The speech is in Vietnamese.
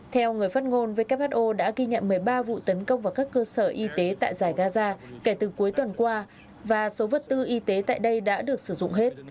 theo người phát ngôn who đã ghi nhận một mươi ba vụ tấn công vào các cơ sở y tế tại giải gaza kể từ cuối tuần qua và số vật tư y tế tại đây đã được sử dụng hết